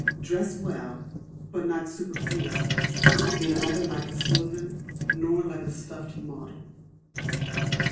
Dress Well, but not superfluously; be neither like a sloven, nor like a stuffed model.